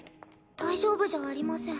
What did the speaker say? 大丈夫じゃありません。